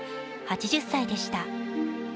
８０歳でした。